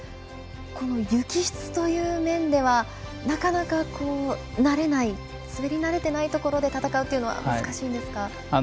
雪質という面ではなかなか慣れない滑りなれていないところで戦うのは難しいことですか。